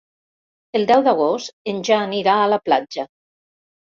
El deu d'agost en Jan irà a la platja.